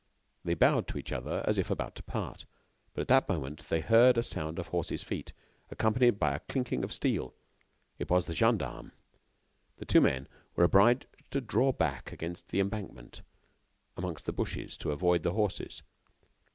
They bowed to each other as if about to part. But, at that moment, they heard a sound of horses' feet, accompanied by a clinking of steel. It was the gendarmes. The two men were obliged to draw back against the embankment, amongst the brushes, to avoid the horses.